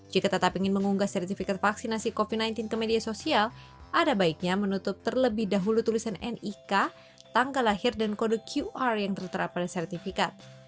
jika tetap ingin mengunggah sertifikat vaksinasi covid sembilan belas ke media sosial ada baiknya menutup terlebih dahulu tulisan nik tanggal lahir dan kode qr yang tertera pada sertifikat